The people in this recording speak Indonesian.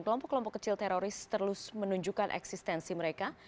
kelompok kelompok kecil teroris terus menunjukkan eksistensi mereka